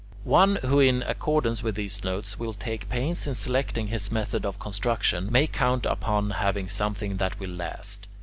One who in accordance with these notes will take pains in selecting his method of construction, may count upon having something that will last.